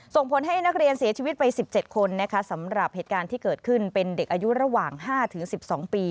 ส่งผลให้นักเรียนเสียชีวิตไป๑๗คนนะคะสำหรับเหตุการณ์ที่เกิดขึ้นเป็นเด็กอายุระหว่าง๕๑๒ปี